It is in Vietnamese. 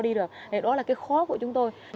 đó là cái khó của chúng tôi